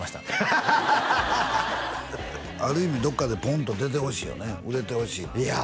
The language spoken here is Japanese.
ハハハハある意味どっかでポンと出てほしいよね売れてほしいいや